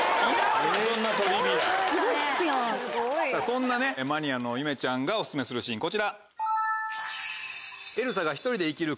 そんなマニアのゆめちゃんがオススメするシーンこちら。